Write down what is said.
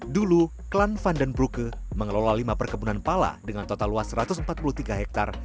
dulu klan fun dan bruke mengelola lima perkebunan pala dengan total luas satu ratus empat puluh tiga hektare